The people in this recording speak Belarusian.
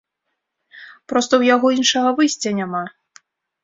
Проста ў яго іншага выйсця няма!